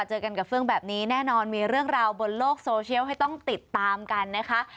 เจอกันกับเฟื่องแบบนี้แน่นอนมีเรื่องราวบนโลกโซเชียลให้ต้องติดตามกันนะคะ